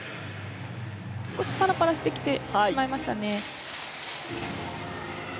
少しパラパラしてきてしまいましたね。